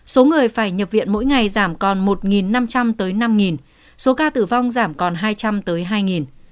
số người phải nhập viện mỗi ngày giảm còn một năm trăm linh tới năm số ca tử vong giảm còn hai trăm linh tới hai